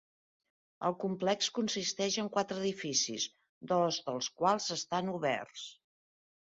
El complex consisteix en quatre edificis, dos dels quals estan oberts.